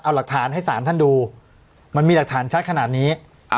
เอาหลักฐานให้ศาลท่านดูมันมีหลักฐานชัดขนาดนี้